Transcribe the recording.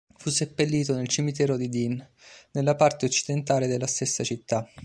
Fu seppellito nel cimitero di Dean, nella parte occidentale della stessa città.